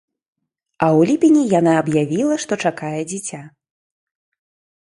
А ў ліпені яна аб'явіла, што чакае дзіця.